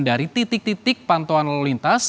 dari titik titik pantauan lalu lintas